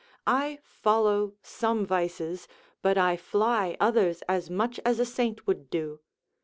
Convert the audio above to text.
I follow some vices, but I fly others as much as a saint would do.